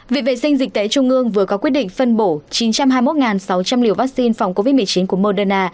viện vệ sinh dịch tễ trung ương vừa có quyết định phân bổ chín trăm hai mươi một sáu trăm linh liều vaccine phòng covid một mươi chín của moderna